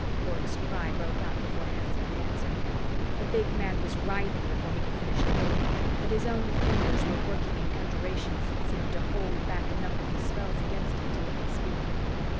Bork's cry broke out before Hanson could answer. The big man was writhing before he could finish the word, but his own fingers were working in conjurations that seemed to hold back enough of the spells against him to let him speak.